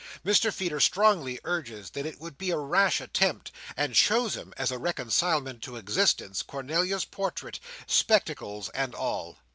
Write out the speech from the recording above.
Mr Feeder strongly urges that it would be a rash attempt, and shows him, as a reconcilement to existence, Cornelia's portrait, spectacles and all.